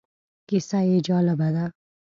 کیسه یې جالبه ده.